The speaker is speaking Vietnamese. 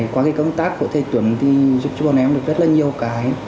qua cái công tác của thầy tuấn thì giúp cho bọn em được rất là nhiều cái